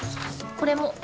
これも。